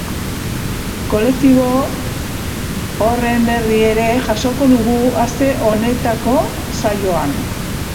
Kolektibo horren berri ere jasoko dugu aste honetako saioan.